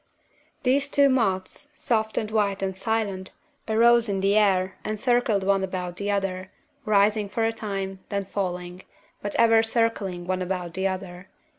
"These two moths, soft and white and silent, arose in the air and circled one about the other, rising for a time, then falling, but ever circling one about the other.